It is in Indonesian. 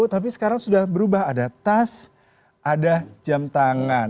tapi sekarang sudah berubah ada tas ada jam tangan